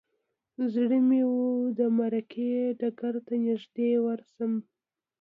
زړه مې و د معرکې ډګر ته نږدې ورشم.